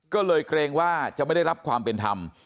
ก็เลยเกรงว่าจะไม่ได้รับความเป็นธรรม